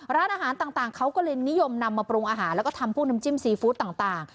ร้านอาหารต่างเขาก็เลยนิยมนำมาปรุงอาหารแล้วก็ทำพวกน้ำจิ้มซีฟู้ดต่าง